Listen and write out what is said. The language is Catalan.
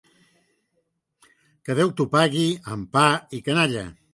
Que Déu t'ho pagui amb pa i canalla.